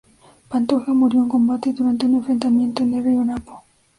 Pantoja murió en combate, durante un enfrentamiento en el río Napo.